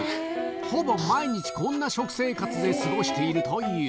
ほぼ毎日こんな食生活で過ごしているという。